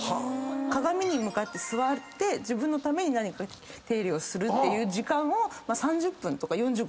鏡に向かって座って自分のために何か手入れをするっていう時間を３０分とか４５分とか。